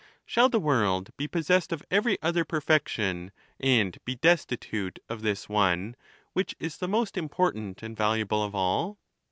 Shall the world be possessed of every other perfection, and be destitute of this one, which is the most important and valuable of all